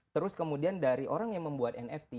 terus kemudian dari orang yang membuat nft